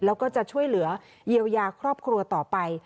แล้วก็จะช่วยเหลือเยียวยาครอบครัวต่อไป